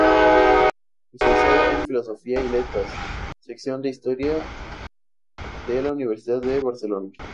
Licenciada en Filosofía y Letras, sección de Historia de la Universidad de Barcelona.